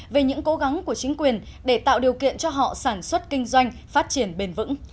về những cố gắng của chính quyền để tạo điều kiện cho họ sản xuất kinh doanh phát triển bền vững